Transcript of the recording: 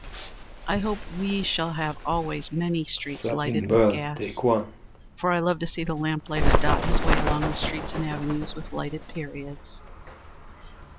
I hope we shall have always many streets lighted with gas, for I love to see the lamplighter dot his way along the streets and avenues with lighted periods.